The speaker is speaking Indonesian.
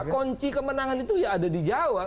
kunci kemenangan itu ya ada di jawa